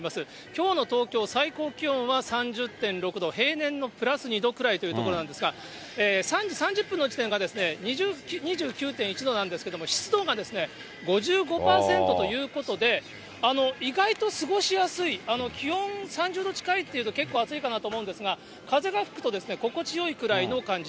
きょうの東京、最高気温は３０．６度、平年のプラス２度くらいというところなんですが、３時３０分の時点が２９．１度なんですけど、湿度が５５％ということで、意外と過ごしやすい、気温３０度近いというと、結構暑いかなと思うんですが、風が吹くと心地よいくらいの感じ。